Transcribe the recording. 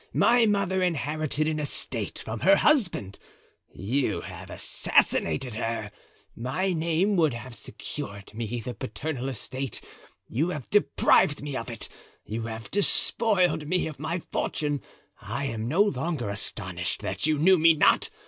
My mother inherited an estate from her husband, you have assassinated her; my name would have secured me the paternal estate, you have deprived me of it; you have despoiled me of my fortune. I am no longer astonished that you knew me not.